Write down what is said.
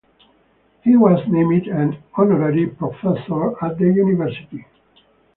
He was named an honorary professor at the university.